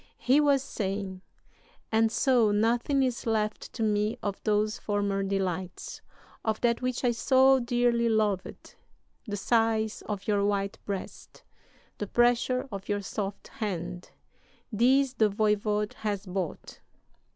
"He was saying: 'And so nothing is left to me of those former delights, of that which I so dearly loved! The sighs of your white breast, the pressure of your soft hand these the voyvode has bought!